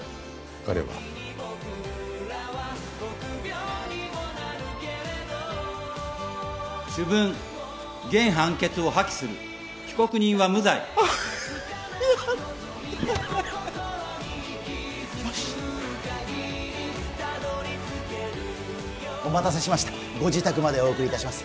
彼は主文原判決を破棄する被告人は無罪あやったよしお待たせしましたご自宅までお送りいたします